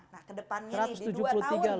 nah ke depannya nih di dua tahun